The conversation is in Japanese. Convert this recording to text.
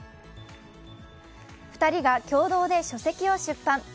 ２人が共同で書籍を出版。